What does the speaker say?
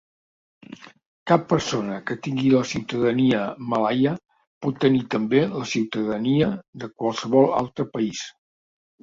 Cap persona que tingui la ciutadania malaia pot tenir també la ciutadania de qualsevol altre país.